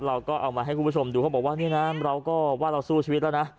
เราก็เอามาให้คุณผู้ชมดูเขาบอกว่านี่นะเราก็ว่าเราสู้ชีวิตแล้วนะ